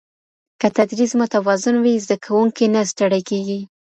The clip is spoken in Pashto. که تدریس متوازن وي، زده کوونکی نه ستړی کېږي.